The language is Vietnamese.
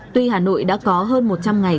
tuy hà nội đã có hơn một trăm linh ngày